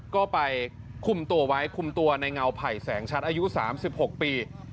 ก็ไปคุมตัวไว้คุมตัวในเงาไผ่แสงชัดอายุ๓๖ปี